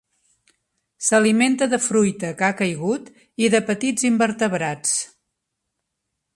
S'alimenta de fruita que ha caigut i de petits invertebrats.